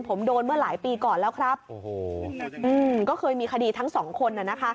ผมโดนเมื่อหลายปีก่อนแล้วครับโอ้โหก็เคยมีคดีทั้งสองคนน่ะนะคะ